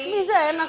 bisa enak gak